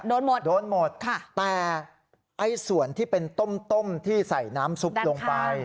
โดนหมดโดนหมดค่ะแต่ไอ้ส่วนที่เป็นต้มต้มที่ใส่น้ำซุปลงไป